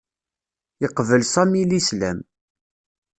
Yeqbel Sami Lislam.